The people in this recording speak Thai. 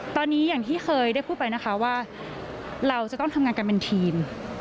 ตอนนี้อย่างที่เคยได้พูดไปนะคะว่าเราจะต้องทำงานกันเป็นทีม